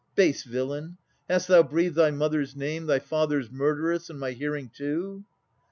Base villain! hast thou breathed thy mother's name, Thy father's murderess, in my hearing too!